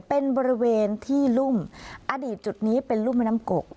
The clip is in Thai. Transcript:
เป็นบริเวณที่รุ่มอดีตจุดนี้เป็นรุ่มแม่น้ำกก